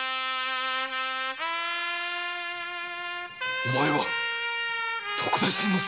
お前は徳田新之助！